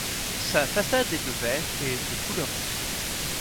Sa façade est de verre et de couleur verte.